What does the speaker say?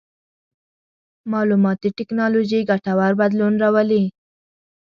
مالوماتي ټکنالوژي ګټور بدلون راولي.